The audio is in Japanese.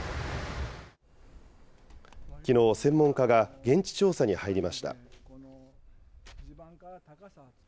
きのう、専門家が現地調査に入りました。